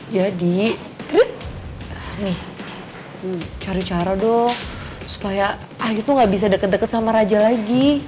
jadi terus nih cari cara dong supaya ayu tuh gak bisa deket deket sama raja lagi